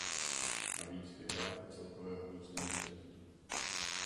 Navíc vyhrál i celkové hodnocení sprintu.